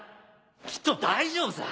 きっと大丈夫さ。